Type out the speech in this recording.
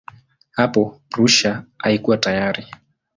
Hapo Prussia haikuwa tayari.